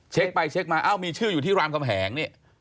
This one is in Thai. เช็คไปเช็คมาเอ้ามีชื่ออยู่ที่รามคำแหงนี่